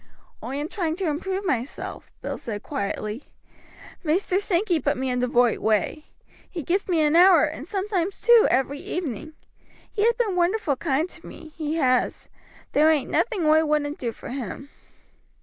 "Oi am trying to improve myself," Bill said quietly. "Maister Sankey put me in the roight way. He gives me an hour, and sometimes two, every evening. He has been wonderful kind to me, he has; there ain't nothing oi wouldn't do for him."